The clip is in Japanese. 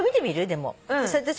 でも。